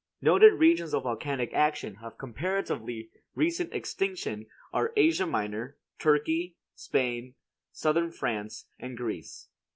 Noted regions of volcanic action of comparatively recent extinction are Asia Minor, Turkey, Spain, Southern France and Greece.